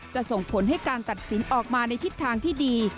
ส่งผลให้การตัดสินออกมาในทิศทางที่ดี